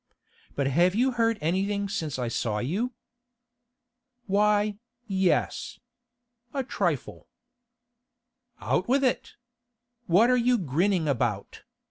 But have you heard anything since I saw you?' 'Why, yes. A trifle.' 'Out with it! What are you grinning about?